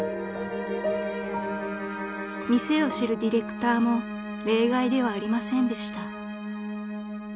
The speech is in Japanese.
［店を知るディレクターも例外ではありませんでした］